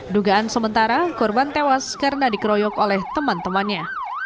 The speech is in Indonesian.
dugaan sementara korban tewas karena dikeroyok oleh teman temannya